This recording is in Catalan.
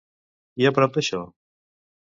I a prop d'això?